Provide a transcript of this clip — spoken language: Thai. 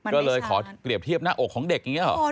ก็เลยขอเปรียบเทียบหน้าอกของเด็กอย่างนี้หรอ